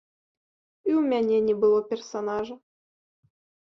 І ў мяне не было персанажа.